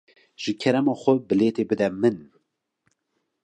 Ji kerema xwe, bilêtê bide min.